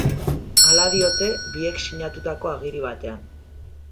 Hala diote, biek sinatutako agiri batean.